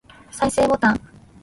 再生ボタン